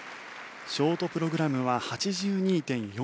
ショートプログラムは８２．４４。